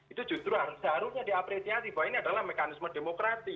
itu justru harusnya diapresiasi bahwa ini adalah mekanisme demokrati